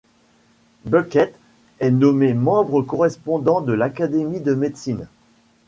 Bucquet est nommé membre correspondant de l'Académie de médecine.